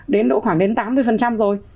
đến độ khoảng đến tám mươi rồi